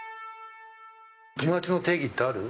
友達の定義ってある？